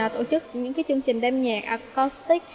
tổ chức những chương trình đem nhạc acoustic